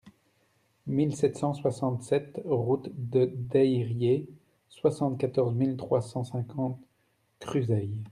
mille sept cent soixante-sept route de Deyrier, soixante-quatorze mille trois cent cinquante Cruseilles